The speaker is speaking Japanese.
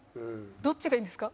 どっちがいいですか？